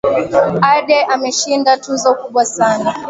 Ade ameshinda tuzo kubwa sana